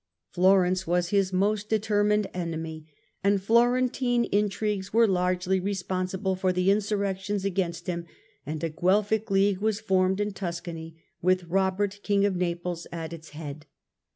Florence was his most determined enemy, and Florentine intrigues were largely responsible for the insurrections against him, and a Guelfic League was formed in Tuscany with Robert King of Naples at its head.